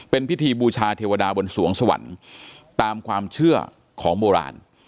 เป็นพิธีบูชาเทวดาบนสวงสวรรค์ตามความเชื่อของโบราณ